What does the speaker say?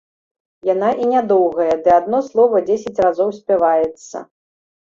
Яна і нядоўгая, ды адно слова дзесяць разоў спяваецца.